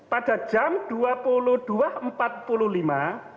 pada jam dua puluh dua empat puluh lima